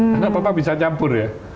karena papa bisa nyampur ya